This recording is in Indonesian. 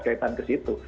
kaitan ke situ